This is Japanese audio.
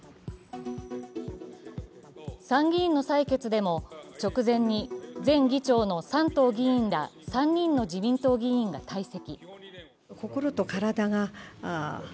参議院の採決でも直前に前議長の山東議員ら３人の自民党議員が退席。